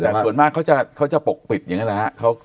แต่ส่วนมากเขาจะปกปิดอย่างนั้นแหละครับ